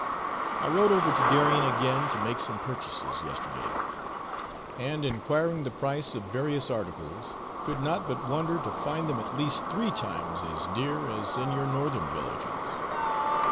I rowed over to Darien again, to make some purchases, yesterday; and enquiring the price of various articles, could not but wonder to find them at least three times as dear as in your northern villages.